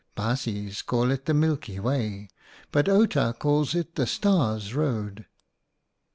Baasjes call it the Milky Way, but Outa calls it the Stars' Road.